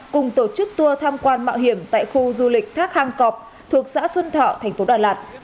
cùng tổ chức tour tham quan mạo hiểm tại khu du lịch thác hang cọp thuộc xã xuân thọ tp đà lạt